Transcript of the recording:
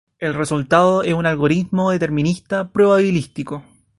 El resultado es un algoritmo determinista probabilístico.